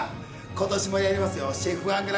今年もやりますよ